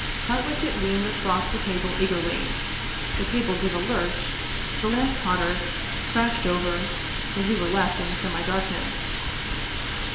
Carwitchet leaned across the table eagerly, the table gave a lurch, the lamp tottered, crashed over, and we were left in semidarkness.